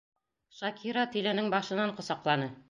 Шакира тиленең башынан ҡосаҡланы.